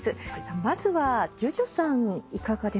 まずはＪＵＪＵさんいかがですか？